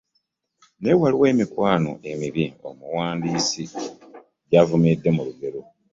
Naye waliwo emikwano emibi omuwandiisi gy’avumiridde mu lugero egitasaanira mu bantu.